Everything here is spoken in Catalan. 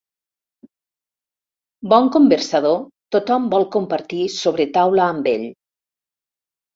Bon conversador, tothom vol compartir sobretaula amb ell.